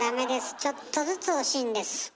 ちょっとずつ惜しいんです。